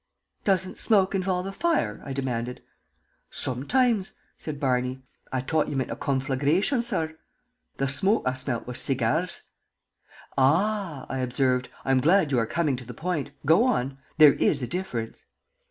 "Doesn't smoke involve a fire?" I demanded. "Sometimes," said Barney. "I t'ought ye meant a conflagrashun, sorr. The shmoke I shmelt was segyars." "Ah," I observed. "I am glad you are coming to the point. Go on. There is a difference."